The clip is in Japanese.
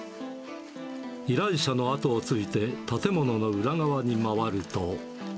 依頼者の後をついて、建物の裏側に回ると。